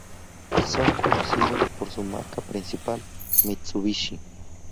Son conocidos por su marca principal, Mitsubishi.